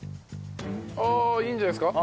ああいいんじゃないですか？